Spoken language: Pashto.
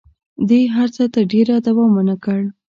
دې هر څه تر ډېره دوام ونه کړ.